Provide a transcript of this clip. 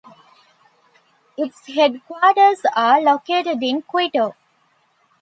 Its headquarters are located in Quito.